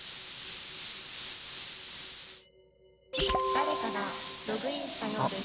「誰かがログインしたようです」。